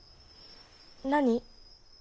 何？